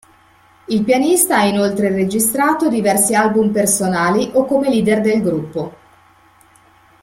Il pianista ha inoltre registrato diversi album personali, o come leader del gruppo.